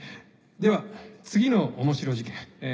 では次の面白事件え